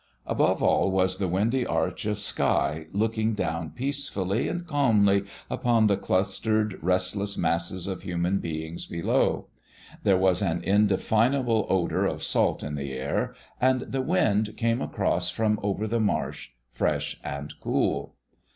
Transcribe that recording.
Above all was the windy arch of sky looking down peacefully and calmly upon the clustered, restless masses of human beings below. There was an indefinable odor of salt in the air, and the wind came across from over the marsh, fresh and cool.